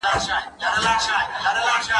کېدای سي نان تياره وي!.